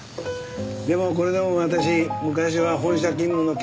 でもこれでも私昔は本社勤務の研究職でね。